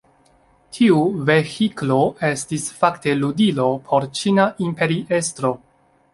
Tiu vehiklo estis fakte ludilo por ĉina imperiestro.